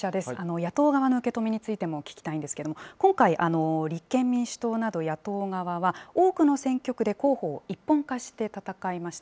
野党側の受け止めについても聞きたいんですけれども、今回、立憲民主党など野党側は、多くの選挙区で候補を一本化して戦いました。